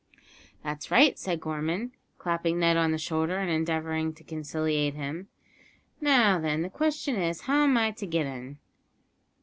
"That's right," said Gorman, clapping Ned on the shoulder and endeavouring to conciliate him; "now, then, the question is, how am I to get 'un?"